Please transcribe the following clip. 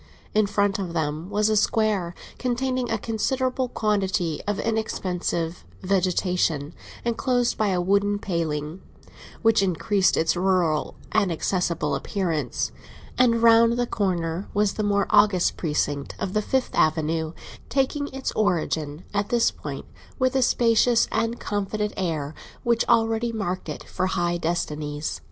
In front of them was the Square, containing a considerable quantity of inexpensive vegetation, enclosed by a wooden paling, which increased its rural and accessible appearance; and round the corner was the more august precinct of the Fifth Avenue, taking its origin at this point with a spacious and confident air which already marked it for high destinies.